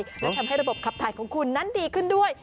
และทำให้ระบบขับถ่ายของคุณนั้นดีขึ้นด้วย